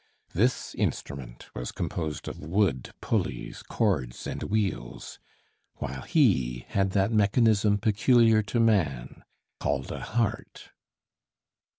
This instrument was composed of wood, pulleys, cords and wheels, while he had that mechanism peculiar to man, called a heart.